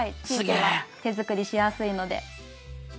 チーズは手作りしやすいので。